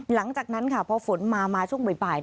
หลังจากนั้นค่ะพอฝนมามาช่วงบ่าย